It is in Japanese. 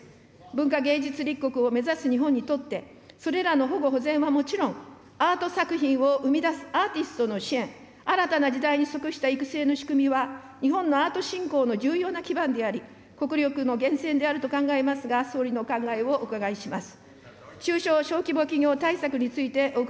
文化芸術立国を目指す日本にとって、それらの保護・保全はもちろん、アート作品を生み出すアーティストの支援、新たな時代に即した育成の仕組みは、日本のアート振興の重要な基盤であり、国力の源泉であると考えますが、総理の考えをお伺いします。